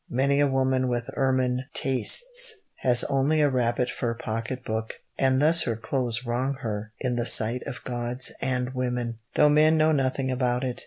Many a woman with ermine tastes has only a rabbit fur pocket book, and thus her clothes wrong her in the sight of gods and women, though men know nothing about it.